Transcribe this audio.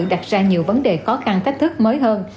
đặt ra nhiều vấn đề khó khăn thách thức mới hơn